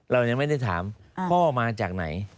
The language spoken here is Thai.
เรายังไม่ได้ถามพ่อมาจากไหน